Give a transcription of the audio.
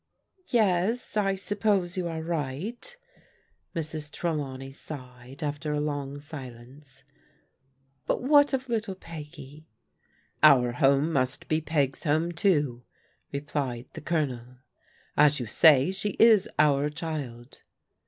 "Yes, I suppose you are right," Mrs. Trelawney sighed after a long silence; "but what of little Peggy ?•*" Our home must be Peg's home, too," replied the Colonel. "As you say, she is our child."